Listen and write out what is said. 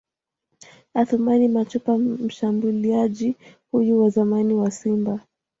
Athumani Machupa Mshambuliaji huyu wa zamani wa Simba